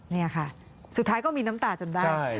นี่ค่ะสุดท้ายก็มีน้ำตาจนได้